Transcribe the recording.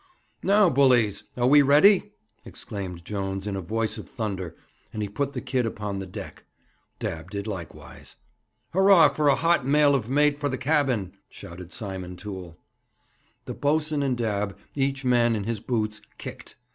'Now, bullies, are we ready?' exclaimed Jones, in a voice of thunder; and he put the kid upon the deck. Dabb did likewise. 'Hurrah for a hot male of mate for the cabin!' shouted Simon Toole. The boatswain and Dabb, each man in his boots, kicked.